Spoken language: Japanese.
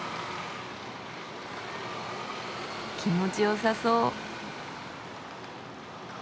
気持ちよさそう。